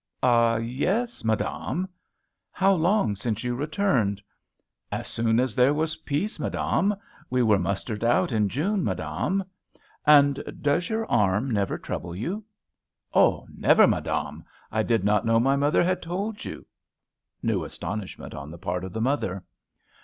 "Ah, yes, madame!" "How long since you returned?" "As soon as there was peace, madame. We were mustered out in June, madame." "And does your arm never trouble you?" "Oh, never, madame! I did not know my mother had told you." New astonishment on the part of the mother.